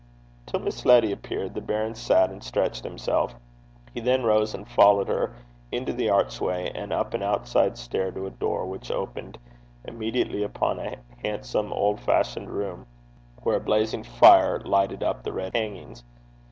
Till Miss Letty appeared, the baron sat and stretched himself. He then rose and followed her into the archway, and up an outside stair to a door which opened immediately upon a handsome old fashioned room, where a blazing fire lighted up the red hangings.